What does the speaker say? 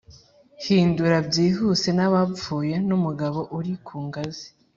hindura byihuse n'abapfuye, n'umugabo uri ku ngazi